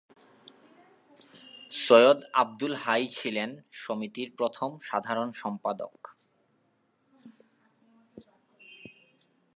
সৈয়দ আবদুল হাই ছিলেন সমিতির প্রথম সাধারণ সম্পাদক।